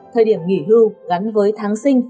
thời điểm nghỉ hưu gắn với tháng sinh